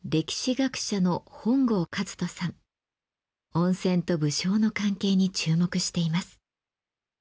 温泉と武将の関係に注目しています。